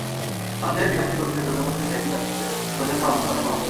মানবদেহের বিকাশ নিজ গতিতে চললেও, মস্তিষ্কের বিকাশে প্রয়োজন পরামর্শদাতার পরামর্শ।